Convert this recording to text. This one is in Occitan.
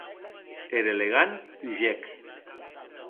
Er elegant hugec.